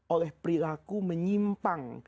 oleh perilaku menyimpang